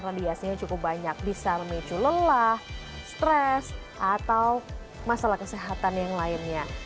radiasinya cukup banyak bisa memicu lelah stres atau masalah kesehatan yang lainnya